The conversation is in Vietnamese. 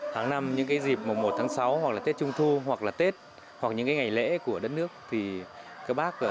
tháng năm những dịp mùa một tháng sáu hoặc là tết trung thu hoặc là tết hoặc những ngày lễ của đất nước